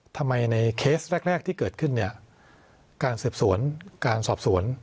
ทำไมในเคสแรกที่เกิดขึ้นเนี่ยการสืบสวนการสอบสวน